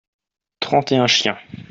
trente et un chiens.